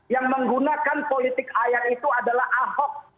yang menggunakan politik ayat itu adalah ahok